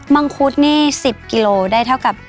ังคุดนี่๑๐กิโลได้เท่ากับ